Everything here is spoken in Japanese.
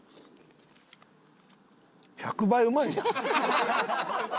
１００倍うまいやん。